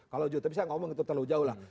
kalau juta bisa ngomong itu terlalu jauh lah